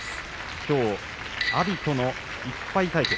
きょう阿炎との１敗対決